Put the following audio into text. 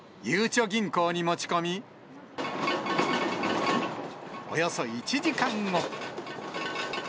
ゆうちょ銀行に持ち込み、およそ１時間後。